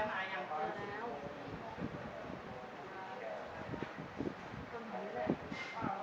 เดี๋ยวค่ะไหนน่าจะมาเงินหน่อยค่ะ